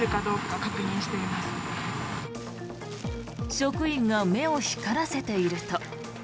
職員が目を光らせていると。